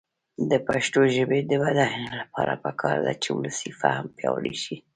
د پښتو ژبې د بډاینې لپاره پکار ده چې ولسي فهم پیاوړی شي.